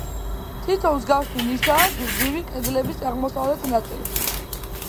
თითო მსგავსი ნიშაა გრძივი კედლების აღმოსავლეთ ნაწილში.